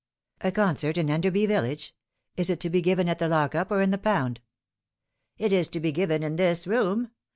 " A concert in Enderby village ? Is it to be given at the lock up or in the pound?" "It is to be given in this room.